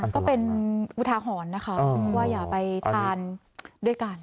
ก็เป็นอุทาหรณ์นะคะว่าอย่าไปทานด้วยกัน